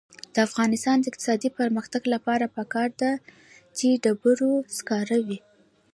د افغانستان د اقتصادي پرمختګ لپاره پکار ده چې ډبرو سکاره وي.